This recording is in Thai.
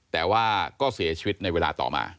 แต่ว่าก็เสียชีวิตในเวลาต่อมา